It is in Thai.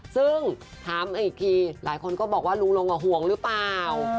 ซึ่งถามอีกทีหลายคนก็บอกว่าลุงลงห่วงหรือเปล่า